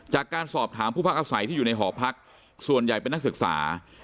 จากการสอบถามผู้พักอาศัยที่อยู่ในหอพักส่วนใหญ่เป็นนักศึกษา